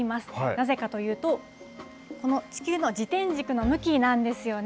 なぜかというと、この地球の自転軸の向きなんですよね。